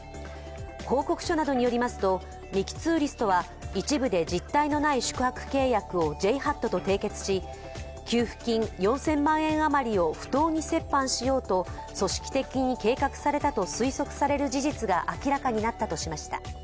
報告書などによりますと、ミキ・ツーリストは一部で実体のない宿泊契約をＪＨＡＴと締結し、給付金４０００万円余りを不当に折半しようと組織的に計画されたと推測される事実が明らかになったとしました。